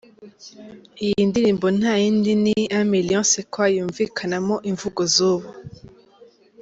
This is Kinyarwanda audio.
Iyo ndirimbo nta yindi ni “Un Million C’est Quoi” yumvikanamo imvugo z’ubu.